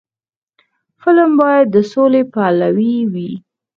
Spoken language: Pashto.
فلم باید د سولې پلوي وي